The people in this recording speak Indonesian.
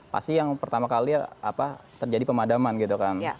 pasti yang pertama kali terjadi pemadaman gitu kan